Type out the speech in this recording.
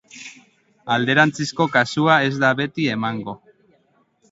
Alderantzizko kasua ez da beti emango.